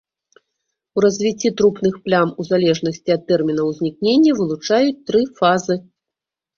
У развіцці трупных плям у залежнасці ад тэрмінаў узнікнення вылучаюць тры фазы.